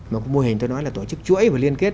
một mô hình tôi nói là tổ chức chuỗi và liên kết